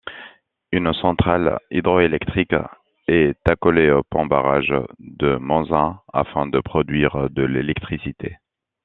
Une centrale hydro-électrique est accolée au pont-barrage de Monsin afin de produire de l'électricité.